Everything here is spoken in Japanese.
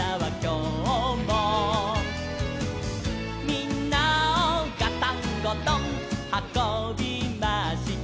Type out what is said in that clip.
「みんなをガタンゴトンはこびました」